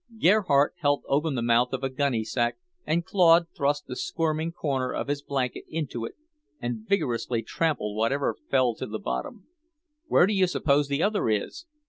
Gerhardt held open the mouth of a gunny sack, and Claude thrust the squirming corner of his blanket into it and vigorously trampled whatever fell to the bottom. "Where do you suppose the other is?"